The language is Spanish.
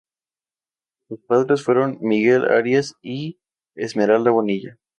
Sus padres fueron Miguel Arias y Esmeralda Bonilla.